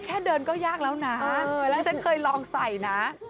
แค่เดินก็ยากแล้วนะที่ฉันเคยลองใส่นะ